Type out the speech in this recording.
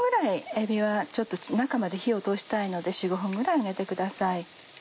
えびは中まで火を通したいので４５分ぐらい揚げてください。